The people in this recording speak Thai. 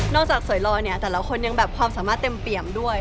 จากสวยลอยเนี่ยแต่ละคนยังแบบความสามารถเต็มเปี่ยมด้วย